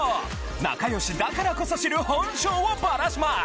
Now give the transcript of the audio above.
仲良しだからこそ知る本性をバラします！